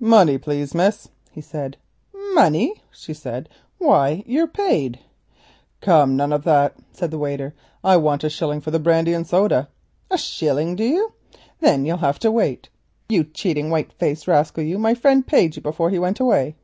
"Money please, miss," he said. "Money!" she said, "why you're paid." "Come, none of that," said the waiter. "I want a shilling for the brandy and soda." "A shilling, do you? Then you'll have to want, you cheating white faced rascal you; my friend paid you before he went away."